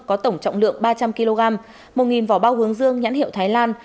có tổng trọng lượng ba trăm linh kg một vỏ bao hướng dương nhãn hiệu thái lan